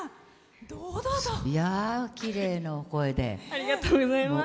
ありがとうございます。